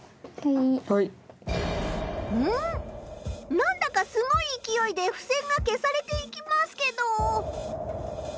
何だかすごいいきおいでふせんが消されていきますけど。